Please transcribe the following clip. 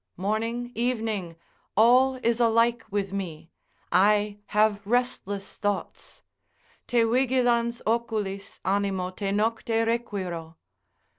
Morning, evening, all is alike with me, I have restless thoughts, Te vigilans oculis, animo te nocte requiro.